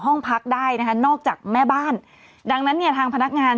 ห้องพักได้นะคะนอกจากแม่บ้านดังนั้นเนี่ยทางพนักงาน